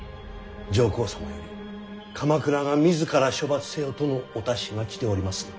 上皇様より鎌倉が自ら処罰せよとのお達しが来ておりますが。